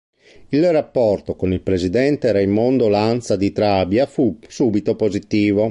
Il rapporto con il Presidente Raimondo Lanza di Trabia fu subito positivo.